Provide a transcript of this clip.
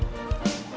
selamat ya roman